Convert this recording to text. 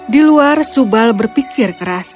di luar subal berpikir keras